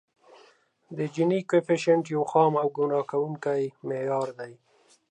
د جیني کویفیشینټ یو خام او ګمراه کوونکی معیار دی